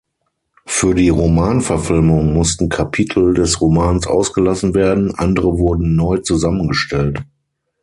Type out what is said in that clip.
Für die Romanverfilmung mussten Kapitel des Romans ausgelassen werden, andere wurden neu zusammengestellt.